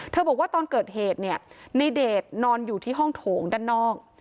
บอกว่าตอนเกิดเหตุเนี่ยในเดชนอนอยู่ที่ห้องโถงด้านนอก